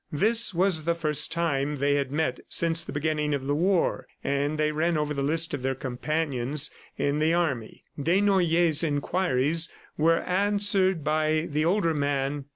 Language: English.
This was the first time they had met since the beginning of the war, and they ran over the list of their companions in the army. Desnoyers' inquiries were answered by the older man.